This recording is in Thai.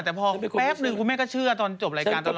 แต่พอแป๊บนึงคุณแม่ก็เชื่อตอนจบรายการตลอด